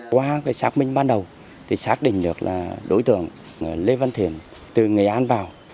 qua xác minh ban đầu xác định được đối tượng lê văn thiền từ nghệ an vào